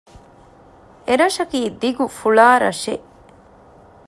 އެރަށަކީ ދިގު ފުޅާ ރަށެއް